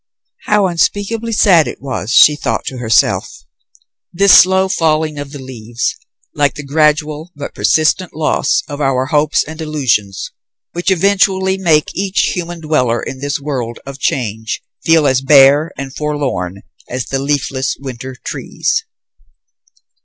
How unspeakably sad it was, she thought to herself, this slow falling of the leaves, like the gradual but persistent loss of our hopes and illusions, which eventually make each human dweller in this world of change feel as bare and forlorn as the leafless winter trees.